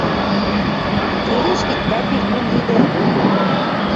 — Келеш гӹнь, тӓ пекун лидӓ!